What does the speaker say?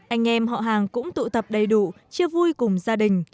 anh em họ hàng cũng tụ tập đầy đủ chia vui cùng gia đình